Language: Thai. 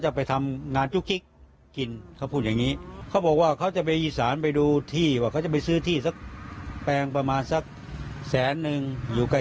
ก็ปฏิตุทัวอุทิศตัวที่นายอุทิศเองเนี่ยค่ะเหมือนเคยได้เจอเค้าไหมแล้วก็นิสัยยังไง